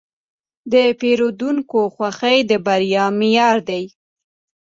د پیرودونکي خوښي د بریا معیار دی.